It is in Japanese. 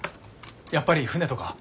やっぱり船とか。